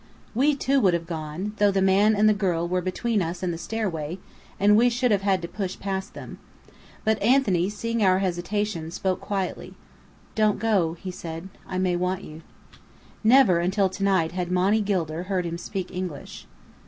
We, too, would have gone, though the man and the girl were between us and the stairway, and we should have had to push past them. But Anthony, seeing our hesitation, spoke quietly. "Don't go," he said. "I may want you." Never until to night had Monny Gilder heard him speak English.